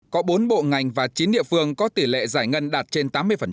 có bốn bộ ngành và chín địa phương có tỷ lệ giải ngân đạt trên tám mươi